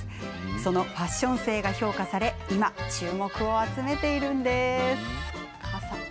そのファッション性が評価され今、注目を集めているんですね。